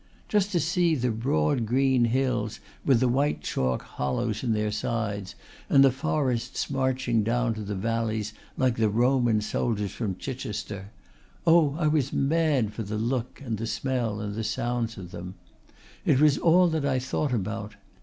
Just to see the broad green hills with the white chalk hollows in their sides and the forests marching down to the valleys like the Roman soldiers from Chichester oh! I was mad for the look and the smell and the sounds of them! It was all that I thought about.